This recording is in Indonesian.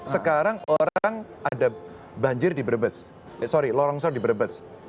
sekarang orang ada banjir di brebes sorry longsor di brebes